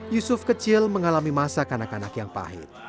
yusuf kecil mengalami masa kanak kanak yang pahit